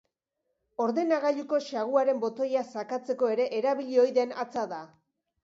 Ordenagailuko saguaren botoia sakatzeko ere erabili ohi den hatza da.